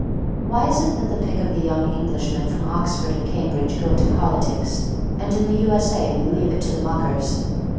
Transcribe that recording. Why is it that the pick of the young Englishmen from Oxford and Cambridge go into politics and in the U. S. A. we leave it to the muckers?